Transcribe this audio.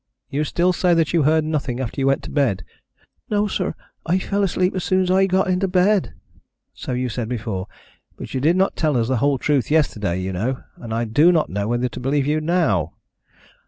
"You still say that you heard nothing after you went to bed?" "No, sir. I fell asleep as soon as I got into bed." "So you said before, but you did not tell us the whole truth yesterday, you know, and I do not know whether to believe you now."